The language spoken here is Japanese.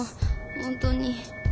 本当に。